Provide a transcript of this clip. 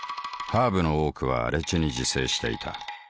ハーブの多くは荒地に自生していた。